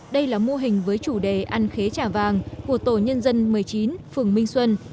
đây là mô hình với chủ đề ăn khế trà vàng của tổ nhân dân một mươi chín phường minh xuân